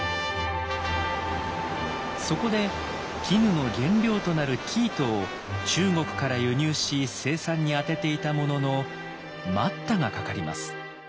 そこで絹の原料となる生糸を中国から輸入し生産に充てていたものの「待った」がかかります。